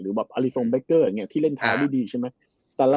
เมื่อการเล่นเวลาเรือนี้บ่อยนะ